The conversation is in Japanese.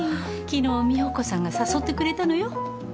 昨日美保子さんが誘ってくれたのよ。